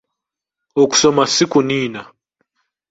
Okusoma si kuniina.